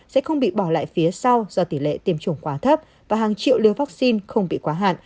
sẽ không bị bỏ lại phía sau do tỷ lệ tiêm chủng quá thấp và hàng triệu liều vaccine không bị quá hạn